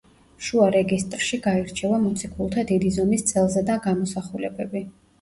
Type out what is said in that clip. შუა რეგისტრში გაირჩევა მოციქულთა დიდი ზომის წელზედა გამოსახულებები.